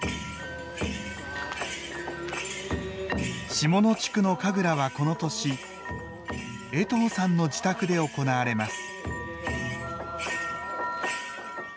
下野地区の神楽はこの年江藤さんの自宅で行われます。